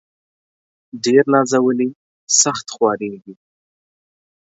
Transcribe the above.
ډير نازولي ، سخت خوارېږي.